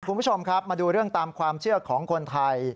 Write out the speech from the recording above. คุณผู้ชมครับมาดูเรื่องตามความเชื่อของคนไทย